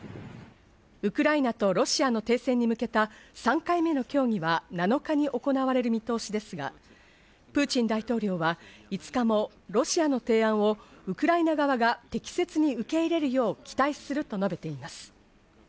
ウクライナとロシアの停戦に向けた３回目の協議は、７日に行われる見通しですが、プーチン大統領は５日もロシアの提案をウクライナ側が適切に受け入れるよう期待すると述べています。